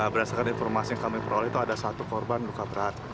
berdasarkan informasi yang kami peroleh itu ada satu korban luka berat